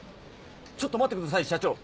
ちょっと待ってください社長。